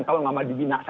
kalau nggak mau dibinasakan